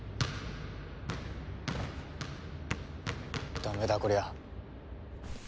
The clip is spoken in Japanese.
ダメだこりゃ。